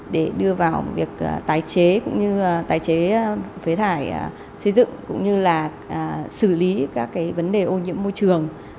để đưa vào việc tái chế cũng như tái chế phế thải xây dựng cũng như là xử lý các vấn đề ô nhiễm môi trường